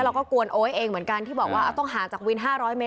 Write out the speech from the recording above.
เราก็กวนโเอ๋ยเองเหมือนกันที่บอกว่าเอาต้องหาจักรวมิถึง๕๐๐เมตร